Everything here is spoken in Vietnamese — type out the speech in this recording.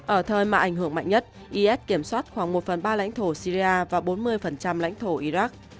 ở thời mà ảnh hưởng mạnh nhất is kiểm soát khoảng một phần ba lãnh thổ syria và bốn mươi lãnh thổ iraq